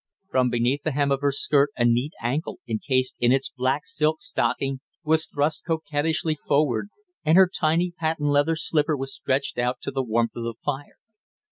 From beneath the hem of her skirt a neat ankle encased in its black silk stocking was thrust coquettishly forward, and her tiny patent leather slipper was stretched out to the warmth of the fire.